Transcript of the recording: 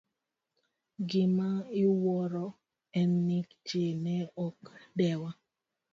Gima iwuoro en ni ji ne ok dewa.